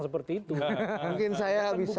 seperti itu mungkin saya bisa